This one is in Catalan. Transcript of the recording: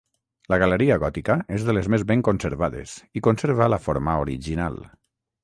La galeria gòtica és de les més ben conservades, i conserva la forma original.